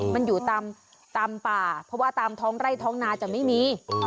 มันอยู่ตามป่าเพราะว่าตามท้องไร่ท้องนาจะไม่มี